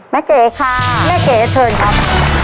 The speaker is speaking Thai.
เก๋ค่ะแม่เก๋เชิญครับ